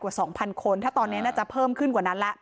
๒๐๐คนถ้าตอนนี้น่าจะเพิ่มขึ้นกว่านั้นแล้ว